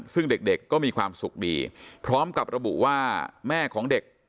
ซึ่งเด็กก็มีความสุขดีพร้อมกับระบุว่าแม่ของเด็ก